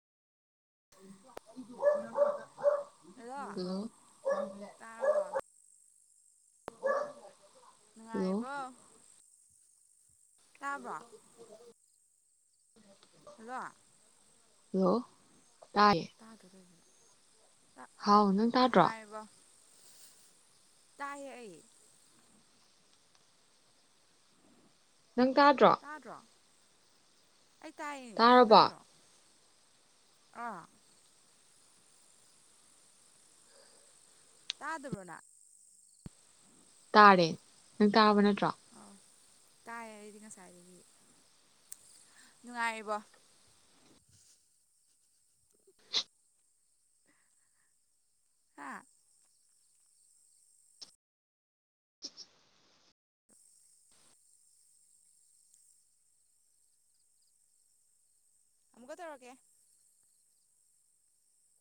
ꯑꯟꯑꯣꯗꯤꯕꯜ hello hello ꯇꯥꯔꯕꯣ hello ꯅꯨꯡꯉꯥꯏꯔꯤꯕꯣ ꯇꯥꯕ꯭ꯔꯣ ꯍꯜꯂꯣ ꯂꯣ ꯇꯗ꯭ꯔꯣ ꯇꯧꯔꯤꯁꯤ ꯫ ꯍꯥꯎ ꯅꯪ ꯇꯥꯗ꯭ꯔꯣ ꯅꯨꯡꯉꯥꯏꯔꯤꯕꯣ ꯇꯥꯏꯌꯦ ꯑꯩ ꯅꯪ ꯇꯥꯗ꯭ꯔꯣ ꯑꯩ ꯇꯥꯏꯌꯦ ꯅꯪ ꯇꯥꯔꯕꯣ ꯇꯥꯗ꯭ꯔꯣ ꯑꯥ ꯇꯥꯗꯕ꯭ꯔꯣꯅꯪ ꯫ ꯇꯥꯔꯦ ꯅꯪ ꯇꯥꯔꯕ ꯅꯠꯇ꯭ꯔꯣ ꯑꯧ ꯇꯥꯏꯌꯦ ꯑꯩꯗꯤ ꯉꯁꯥꯏꯗꯒꯤ ꯅꯨꯡꯉꯥꯏꯔꯤꯕꯣ ꯍꯥ ꯑꯃꯨꯛꯀ ꯇꯧꯔꯛꯀꯦ